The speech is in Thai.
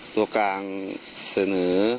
ตัวกลางเสนอ